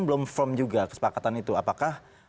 belum firm juga kesepakatan itu apakah